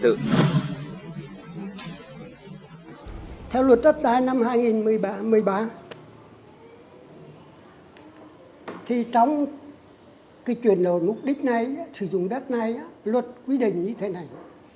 trong năm hai nghìn một mươi ba trong chuyển đổi mục đích sử dụng đất này luật quy định như thế này